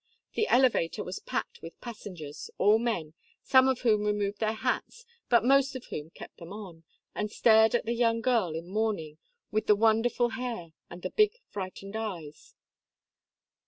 The elevator was packed with passengers, all men, some of whom removed their hats, but most of whom kept them on, and stared at the young girl in mourning, with the wonderful hair, and the big, frightened eyes.